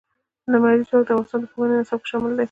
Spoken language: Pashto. لمریز ځواک د افغانستان د پوهنې نصاب کې شامل دي.